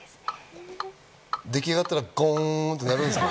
出来上がったらゴンってなるんですかね。